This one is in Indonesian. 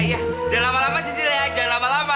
jangan lama lama cicil ya jangan lama lama